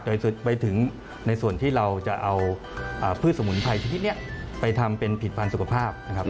โดยไปถึงในส่วนที่เราจะเอาพืชสมุนไพรชนิดนี้ไปทำเป็นผิดพันธ์สุขภาพนะครับ